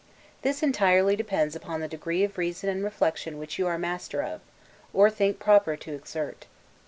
This entirely depends upon the degree of reason and reflection which you are master of, or think proper to exert.